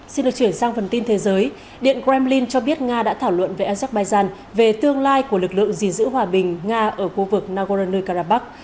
xin được chuyển sang phần tin thế giới điện kremlin cho biết nga đã thảo luận về azerbaijan về tương lai của lực lượng gìn giữ hòa bình nga ở khu vực nagorno karabakh